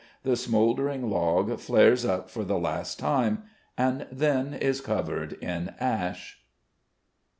The smouldering log flares up for the last time, and then is covered in ash.